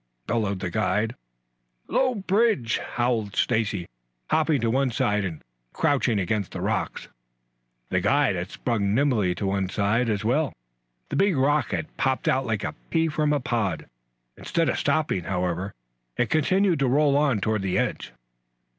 bellowed the guide. "Low bridge!" howled Stacy, hopping to one side and crouching against the rocks. The guide had sprung nimbly to one side as well. The big rock had popped out like a pea from a pod. Instead of stopping, however, it continued to roll on toward the edge.